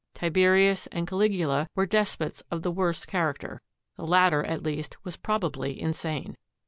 Tiberius and Caligula were despots of the worst character; the latter, at least, was probably insane.